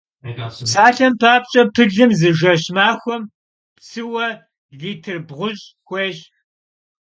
Psalhem papş'e, pılım zı jjeş - maxuem psıue litr bğuş' xuêyş.